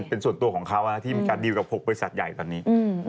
เป็นส่วนตัวของเขาที่มีการดีลกับ๖บริษัทใหญ่ตอนนี้